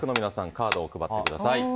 カードを配ってください。